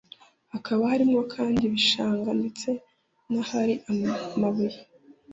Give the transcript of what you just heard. hakaba harimo kandi ibishanga ndetse n’ahari amabuye